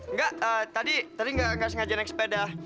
enggak tadi nggak sengaja naik sepeda